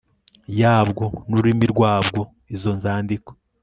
yabwo n ururimi rwabwo izo nzandiko